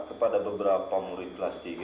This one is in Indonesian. kepada beberapa murid kelas tiga